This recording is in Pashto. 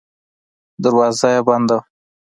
دروازه یې بنده وه.